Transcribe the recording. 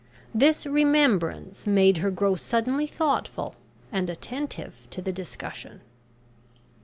This remembrance made her grow suddenly thoughtful and attentive to the discussion.